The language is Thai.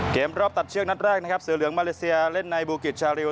เกมรอบตัดเชือกนัดแรกนะครับเสือเหลืองมาเลเซียเล่นในบูกิจชาริว